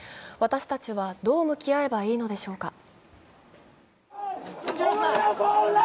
私たちはどう向き合えばいいのでしょうか。